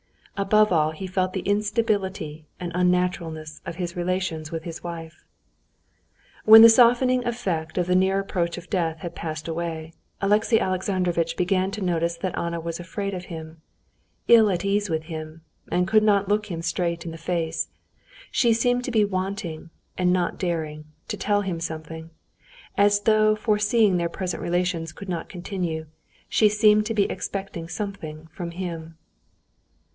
Above all, he felt the instability and unnaturalness of his relations with his wife. When the softening effect of the near approach of death had passed away, Alexey Alexandrovitch began to notice that Anna was afraid of him, ill at ease with him, and could not look him straight in the face. She seemed to be wanting, and not daring, to tell him something; and as though foreseeing their present relations could not continue, she seemed to be expecting something from him.